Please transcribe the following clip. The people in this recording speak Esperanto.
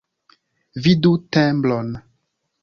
Vidu tembron.